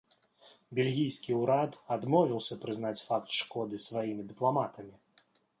Бельгійскі ўрад адмовіўся прызнаць факт шкоды сваімі дыпламатамі.